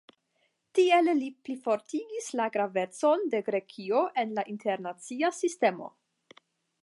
Tiele li plifortigis la gravecon de Grekio en la internacia sistemo.